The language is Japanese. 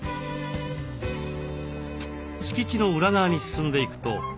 敷地の裏側に進んでいくと。